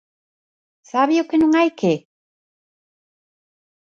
¿Sabe o que non hai que?